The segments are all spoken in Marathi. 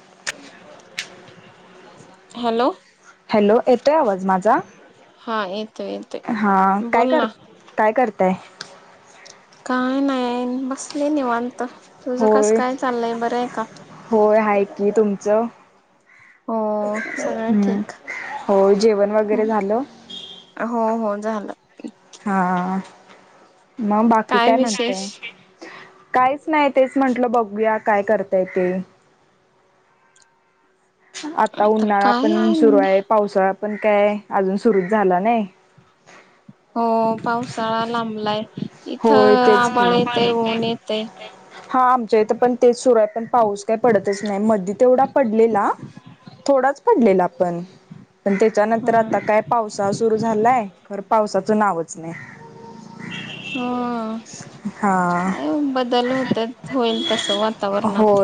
[unintelligible] हॅलो हॅलो येतोय आवाज माझा? हा येतोय येतोय हा काय बोल कर ना काय करताय? काय नाही, बसले निवांत. तुझं कस होय काय चाललय? बरंय का? होय आहे की तुमचं हो सगळं हम्म ठीक. हो जेवण वगैरे झालं हो हो झालं. हा मग बाकी काय म्हणतेय? काहीच नाही तेच म्हंटल बघूयात काय करताय ते? आता उन्हाळा पण सुरू आहे. पावसाळा पण काय, अजून सुरुच झालं नाही. हो पावसाळा लांबलाय. इथं होय तेच की, आबाळ आभाळ येते येतय ऊन येते येतय. हा आमच्या इथ पण तेच सुरू आहे पण पाऊस काही पडतच नाही. मधी तेवढा पडलेला, थोडाच पडलेला पण. पण हा त्याच्यानंतर आता काय, पावसाळा सुरू झालाय खर, पावसाचं नावच नाही. हा हा काय बदल होत होईल तस वातावरणात.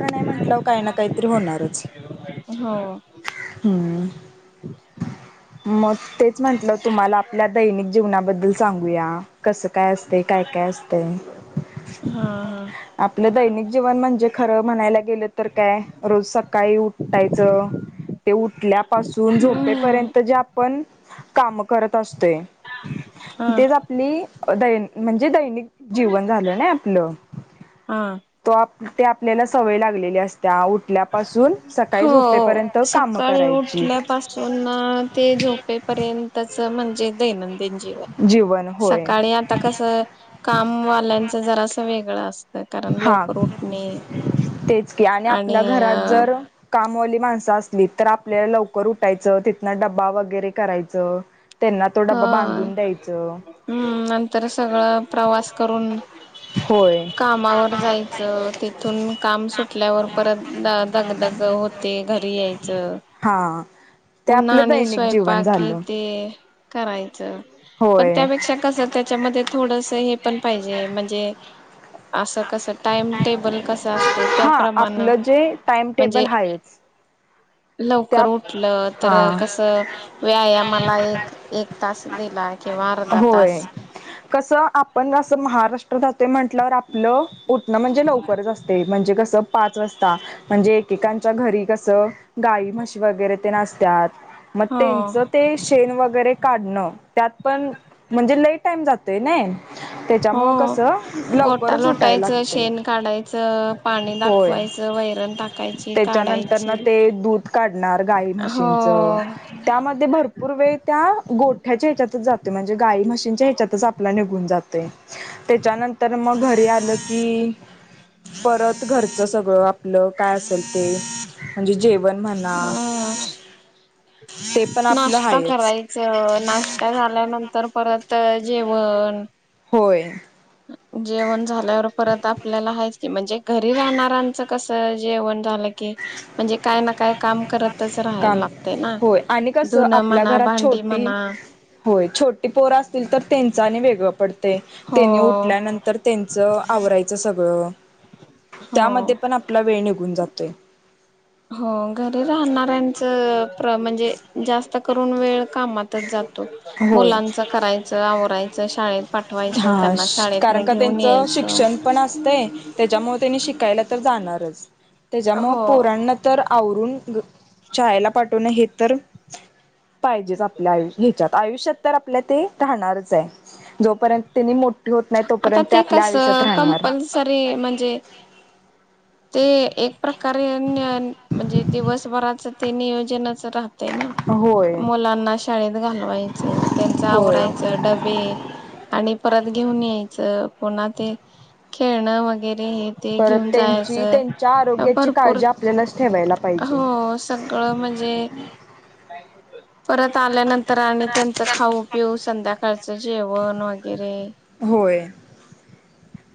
नाही म्हटलं काही ना काहीतरी होणारच. हो हम्म मग तेच म्हटलं तुम्हाला आपल्या दैनिक जीवनाबद्दल सांगूया. कसं काय असते काय काय असते हा हा आपलं दैनिक जीवन म्हणजे खरं म्हणायला गेलं तर काय रोज सकाळी उ उठायच ते उठल्यापासून हम्म झोपेपर्यंत जे. पण काम करत असतोय हा तेच आपली द म्हणजे दैनिक जीवन झालं ना आपलं हा तो ते आपल्याला सवय लागलेली असते. हो झोपेपर्यंत काम सकाळी करायची उठल्या पाासून ते झोपे पर्यंतच म्हणजे दैनंदिन जीवन जीवन होय सकाळी आता कस कामवाल्यांचं जरा अस वेगळं असतं. कारण हा लवकर उठणे तेच की आणि आपल्या घरात जर कामवाली माणसं असली तर आपल्याला लवकर उठायचं तिथनं डब्बा वगैरे करायचं. त्यांना तो हा डबा बांधून द्यायचं हम् नंतर सगळं प्रवास करून होय कामावर जायचं तेथून काम सुटल्यावर परत द दग दग होते घरी मग यायचं. हां पुन्हा आणि स्वयंपाक हे ते. करायचं पण होय त्यापेक्षा कसं त्याच्यामध्ये थोडस एक पण पाहिजे म्हणजे असं. कस टाइम टेबल कस असते हा त्याप्रमाण आपलं जे टाइम टेबल म्हणजे आहेच त्या लवकर उठलं तर हा कस व्यायामाला एक एक तास दिला किंवा अर्धा होय तास कसं पण असं महाराष्ट्र जाते म्हटल्यावर आपलं उठणं म्हणजे लवकरच असते म्हणजे कसं. पाच वाजता म्हणजे एकेकांच्या घरी कसं गाई, म्हशी वगैरे ते असतात. मग हो त्यांच ते शेण वगैरे काढण त्यात पण म्हणजे [unintelligible] टाइम जातोय नाही. हो गोटा उठायला लोटायचं, लागते शेण काढायचं, पाणी होय दाखवायचं. वैरण टाकायची, त्याच्यानंतर ना काढायची. ते दूध काढणार गाई हो. म्हशीच त्यामध्ये भरपूर वेळ त्या गोठ्याच्या ह्याच्यात म्हणजे गाय मशी ह्याच्यात आपला निघून जातंय त्याच्यानंतर मग घरी आलं. की परत घरच सगळं आपलं काय असेल ते म्हणजे जे जेवण म्हणा. ते पण आपलं नाष्टा हायच करायचं नाष्टा झाल्यानंतर परत तर जेवण. होय. जेवण झाल्यावर परत आपल्याला हयकी की म्हणजे घरी राहणाऱ्यांचं कस जेवण झालं की. म्हणजे काय ना काय काम करतच राहाय काम लागतंय. होय आणि कसं आपल्या घरात छोटी म्हणा होय छोटी पोर असतील तर त्यांचा आणि वेगळं पडतेय. हो त्यांनी उठल्यानंतर त्यांचं आवरायचं सगळं. हो त्यामध्ये पण आपला वेळ निघून जातोय. हो घरी राहणाऱ्यांच प्र म्हणजे जास्त करून वेळ कामात होय मुलांच करायच, आवरायचं, शाळेत पाठवायचं हा त्यांना शाळेत कारण न का घेऊन त्यांचं यायचं. शिक्षण पण असतंय त्याच्यामुळे त्यांनी शिकायला तर जाणारच. त्याच्या मुळ हो पोरांना तर आवरून शाळेला पाठवून हे तर पाहिजेच आपल्या आयुष्य ह्याच्यात. आयुष्यात तर आपल्या ते राहणारच आहे जोपर्यंत त्यांनी होत नाही आता तोपर्यंत ते आपल्या कस आयुष्यात राहणार कंपल्सरी म्हणजे ते एक प्रकारे म्हणजे दिवसभराच ते नियोजनच राहत ना होय मुलांना शाळेत घालवायचं त्यांच होय आवरायचं डबे आणि परत यच पुन्हा ते खेळण वगरे ते परत घेऊन त्यांची जायचं त्यांच्या आरोग्याची भरपूर काळजी आपल्यालाच ठेवायला पाहिजे हो सगळ ळ म्हणजे परत आल्यानंतर आणि त्यांचं खाऊ पिऊ संध्याकाळचं जेवण वगैरे. होय.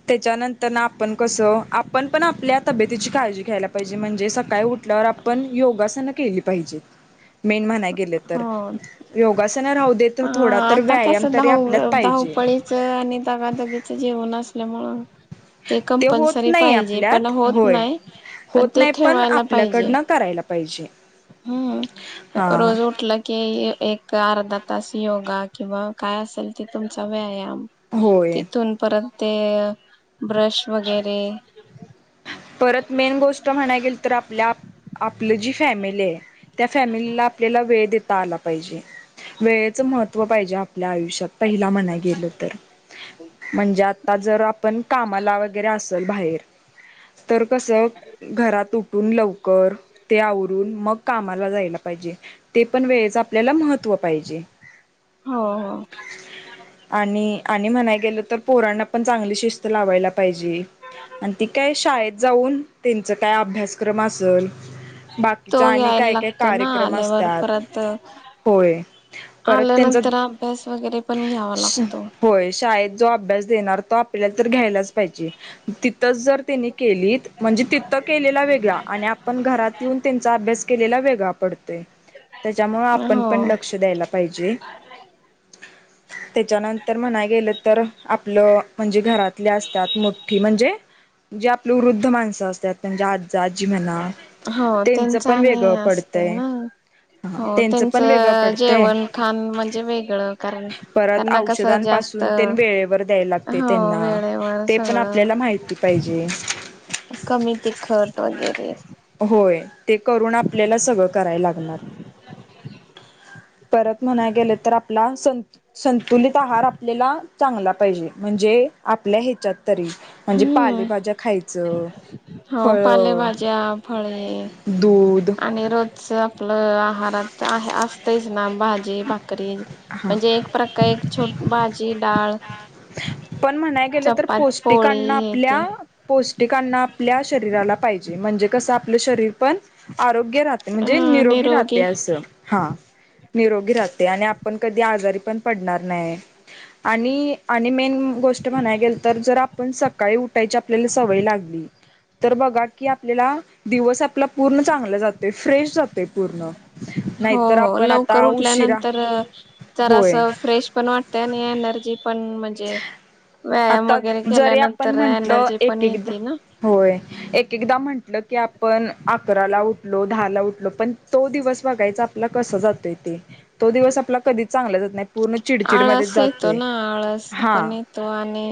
त्याच्यानंतरन आपण कसं आपण पण आपल्या तब्येतीची काळजी घ्यायला पाहिजे, म्हणजे सकाळी उ म्हंटल्यावर आपण योगासनं केली पाहिजेत मेन म्हणाय गेलं तर. हो योगासनं राहूदे तर हा थोडा तर व्यायाम तरी आपल्यात पाहिजे. ळीच आणि दगादगीच जीवन असल्यामूळं. ते होत कंपल्सरी नाही पाहिजे पण आपल्यात होत होय. नाही. पण होत ते नाही पण ठेवायला पाहिजे आपल्याकडनं करायला पाहिजे हम्म हा रोज उठला की एक अर्धा तास योगा किंवा काय असेल ते तुमचा व्यायाम. होय. तिथून परत ते ब्रश वगैरे. परत मेन गोष्ट म्हणाय गेलं तर आपल्या आपली जी फॅमिली आहे त्या फॅमिलीला आपल्याला वेळ देता आला पाहिजे. वेळेचं महत्त्व पाहिजे आपल्या आयुष्यात पहिला म्हणाय गेलं तर. म्हणजे आता जर आपण कामाला वगैरे असल बाहेर तर कसं घरात उठून लव कर ते आवरून मग कामाला जायला पाहिजे. ते पण वेळेच आपल्याला महत्त्व पाहिजे. [inaudible] हो हो. आणि आणि म्हणाय गेलं तर पोरांना पण चांगली शिस्त लावायला पाहिजे. आणि ती काय शाळेत जाऊन त्यांचं काय अभ्यासक्रम असल बाकीचा तो आणि घ्यायला काही काही लागतो ना कार्यक्रम आल्यावर असतात. परत होय परत त्याचं आल्यानंतर अभ्यास वगैरे पण घ्यावा लागतो होय, शाळेत जो अभ्यास आज देणार होतो आपल्याला तर घ्यायलाच पाहिजे. तिथंच जर त्यांनी केलीत. म्हणजे तिथं केलेला वेगळा. आणि आपण घरात येऊन त्यांचा अभ्यास केलेला वेगळा पडतोय. त्याच्यामुळे आपण हो पण लक्ष द्यायला पाहिजे. [inaudible] त्याच्यानंतर म्हणाय गेलं तर आपलं म्हणजे घरातल्या असतात. मोठी म्हणजे जे आपली वृद्ध माणसं असतात म्हणजे आ जा आजी म्हणा. हो त्यांच त्यांचा पण आणि वेगळं असते पडतंय. ना हा हो पण वेगळं त्यांचं पडतंय जेवण खाान म्हणजे वेगळं कारण त्यांना कसं जास्त सुन तेन वेळेवर द्याय लागते हो त्यांना वेळेवर ते पण सगळं आपल्याला माहिती पाहिजे. कमी तिखट वगैरे होय ते करून आपल्याला सगळं कराय लागणार. परत म्हणाय गेले तर आपला स संतुलित आहार आपल्याला चांगला पाहिजे. म्हणजे आपल्या ह्याच्यात तरी म्हणजे हम्म पालेभाज्या खाय हो पालेभाज्या फळे दूध आणि रोजचं आपलं आहारात आहे असतंयच ना. भाजी भाकरी हां म्हणजे एक प्रकार छट भाजी डा पण म्हणाय गेलं तर चपात पोस्ट पोळी पिकांना हे ते आपल्या पौष्टिकांना आपल्या शरीराला पाहिजे. म्हणजे कसं आपलं शरीर पण आरोग्य राहते. म्हणजे निरोगी राहते असं हा. निरोगी राहते आणि आपण कधी आजारी पण पडणार नाही. आणि आणि मेन गोष्ट म्हणाय गेलं तर जर आपण सकाळी उठ. ठायची आपल्याला सवय लागली. तर बघा की आपल्याला दिवस आपला पूर्ण चांगला जातोय फ्रेश जातोय पूर्ण... हो नाहीतर हो आपण लवकर आता उशिरा उठल्यानंतर जरा होय असं फ्रेश पण वाटतय आणि एनर्जी... पण म्हणजे... व्यायाम आता वगैरे जरी आपण केल्यानंतर म्हटलं एनर्जी एक पण एकदा येते ना. होय एक एक... एकदा म्हटलं की आपण अकराला उठलो दहा ला उठलो पण तो दिवस बघायचा आपला कसं... तो दिवस आपला कधी चांगला जात नाही. पूर्ण चिडचिडमध्येच आळस येतो जातोय ना आळस हा पण येतो आणि...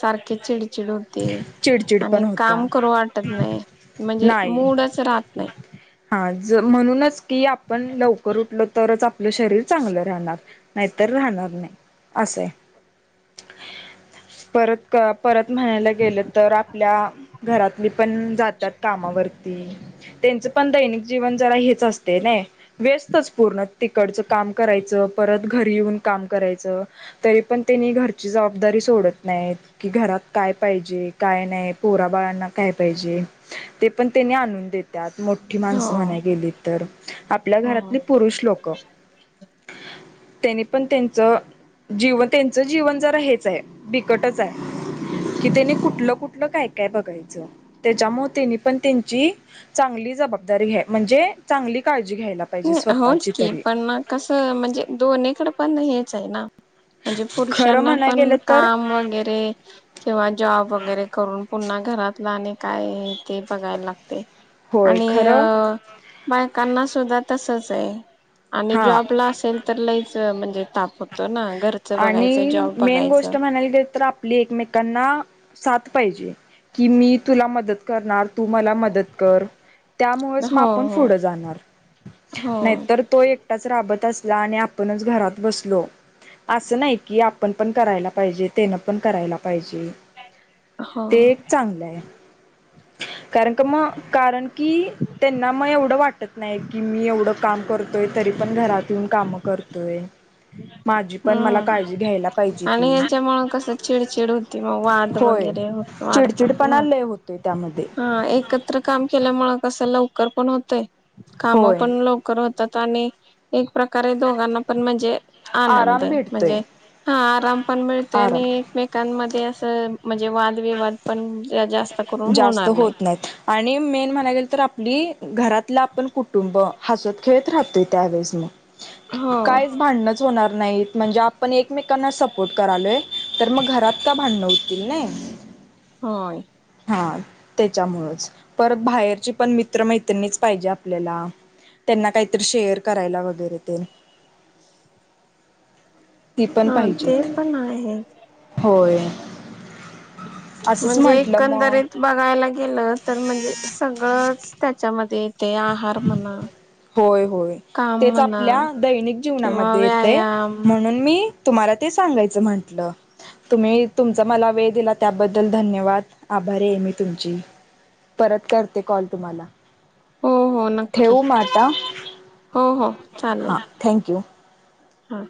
सारखे चिडचिड होते... चिडचिड पण आणि होत्या काम करू वाटत नाही म्हणजे नाही मूडच राहत नाही... हा म्हणूनच की आपण लवकर उठल तरच आपलं शरीर चांगलं राहणार... नाहीतर राहणार नाही असं परत परत.. म्हणायला गेलं तर आपल्या घरातली पण जातात कामावरती... त्यांचं पण दैनिक जीवन जरा हेच असते ना व्यस्तच पूर्ण तिकडचं काम करायचं.... परत घरी येऊन काम करायच ची जबाबदारी सोडत नाही की घरात काय पाहिजे काय नाही पोराबाळांना काय पाहिजे? ते पण त्याने आणून देतात. मोठी हो माणसं म्हणाय गेली तर आपल्या हो. घरातले पुरुष लोक... त्यांनी पण त्यांच जीव त्यांच जीवन जर.. हेच आहे बिकटच आहे.. कि त्यांनी कुठलं कुठलं काय काय बघायच त्याच्यामुळे त्यांनी पण त्यांची चांगली... जबाबदरी म्हणजे चांगली काळजी... घ्यायला पाहिजे होच स्वतःची की तरी पण कसं म्हणजे दोनकडे पण हेच आहे ना... ह म्हणजे पुरुषांना पण काम वगैरे किंवा जॉब वगैरे करून पुन्हा.. घरातलं आणि काय ते बघायला लागते होय आणि खरं अ... बायकांना सुद्धा तसच आहे आणि हा जॉब ला असेल तर लईच... म्हणजे ताप होतो ना... घरचं बघायचं आणि जॉब मेन बघायचं. गोष्ट म्हणायला गे तर आपली एकमेकांना... साथ पाहिजे कि मी तुला मदत करणार तू मला मदत कर. त्यामुळेच मग हो आपण हो पुढं जाणार हो नाहीतर तो एकटाच राबत अस. ला आणि आपणच घरात बसलो. असं नाही की आपण पण करायला पाहिजे तेनं पण करायलात. पाहिजे हो ते एक चांगलं आहे. कारण म कारण की त्यांना मग एवढं वाटत नाही की मी एवढं काम करतो. तोय तरी पण घरात येन काम करतोय. त्याची पण मला हम्म काळजी घ्यायला पाहिजे आणि की याच्यामुळ कसं चिडचिड होती मग वाद होय. वगैरे वाढतात ना. चिडचिडपणा लय होतेय. हा एकत्र काम केल्यामुळें कसं लवकर पण होतय. काम होय पण लवकर होतात आणि एक... प्रकारे दोघांना पण म्हणजे आनंद आराम भेटतोय म्हणजे हा आराम पण मिळते आराम आणि... एकमेकांमध्ये असं म्हणजे वादविवाद पण जास्त करून... जास्त होणार नाही होत नाहीत आणि मेन म्हणाय गेल तर आपली.. घरातलं आपण कुटुंब हसत खेळत राहतोय त्यावेळेस मग हो कायच भांड... होणार नाहीत म्हणजे आपण एकमेकांना सपोर्ट करालोय तर मग घरात का भांडवतील नाही... होय. हा त्याच्याम परत बाहेरची पण मित्र मैत्रिणीच पाहिजे आपल्याला त्यांना काहीतरी शेअर करायला वगैरे ते... ती पण हा पाहिजे ते पण आहे होय. असंच म्हणजे म्हंटलं मग एकंदरीत बघायला गेलं तर म्हणजे सगळंच. त्याच्यामध्ये ते आहार म्हणा. होय होय काम तेच म्हणा आपल्या दैनिक किंवा जीवनामध्ये येते व्यायाम म्हणून मी तुम्हाला ते सांगायचं म्हंटलं. तुम्ही तुमचा मला वेळ दिला त्याबद्दल धन्यवाद आभारी आहे मी तुमची परत करते कॉल तुम्हाला हो हो नक्की ठेऊ म आता. हो हो चालेल हां थँक्यू. हा.